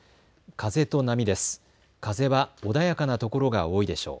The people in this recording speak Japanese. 風は穏やかなところが多いでしょう。